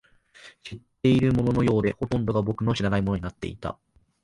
知っているもののようで、ほとんどが僕の知らないものになっていた